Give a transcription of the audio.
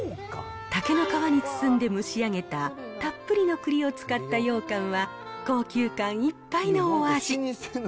竹の皮に包んで蒸し上げたたっぷりの栗を使った羊羹は、高級感いっぱいのお味。